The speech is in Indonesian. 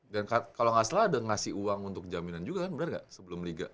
dan kalau gak salah ada ngasih uang untuk jaminan juga kan bener gak sebelum liga